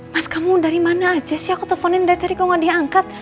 mas kamu dari mana aja sih aku teleponin dari tadi kau nggak diangkat